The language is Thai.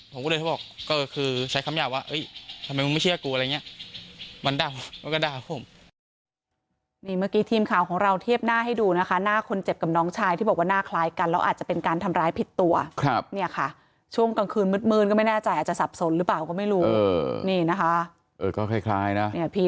ผมก็เลยเขาบอกก็คือใช้คำหยาบว่าทำไมมึงไม่เชื่อกูอะไรอย่างนี้